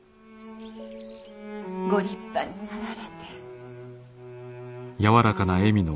ご立派になられて。